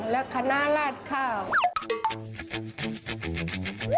และคณะลาดข้าว